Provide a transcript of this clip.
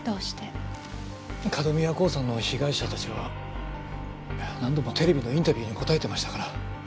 角宮興産の被害者たちは何度もテレビのインタビューに答えてましたから。